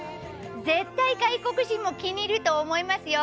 絶対外国人も気に入ると思いますよ。